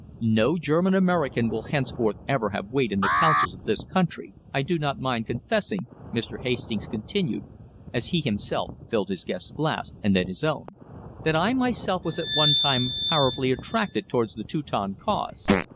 No German American will henceforth ever have weight in the counsels of this country. I do not mind confessing," Mr. Hastings continued, as he himself filled his guest's glass and then his own, "that I myself was at one time powerfully attracted towards the Teuton cause.